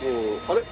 あれ？